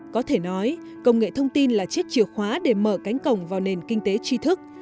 có thể nói công nghệ thông tin là chiếc chìa khóa để mở cánh cổng vào nền kinh tế tri thức